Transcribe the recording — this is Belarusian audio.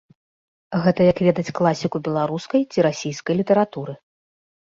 Гэта як ведаць класіку беларускай ці расійскай літаратуры.